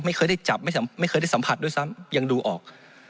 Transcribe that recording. ไม่เคยได้จับไม่เคยได้สัมผัสด้วยซ้ำยังดูออก